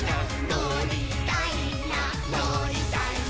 「のりたいなのりたいな」